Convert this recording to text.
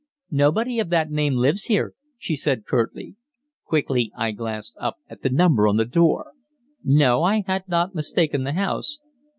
"Nobody of that name lives here," she said curtly. Quickly I glanced up at the number on the door. No, I had not mistaken the house.